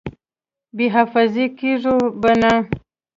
بې حافظې کېږو به نه!